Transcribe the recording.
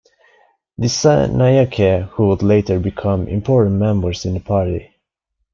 Dissanayake who would later become important members in the party.